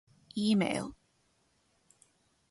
email